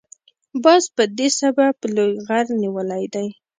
باز په دې سبب لوی غر نیولی دی.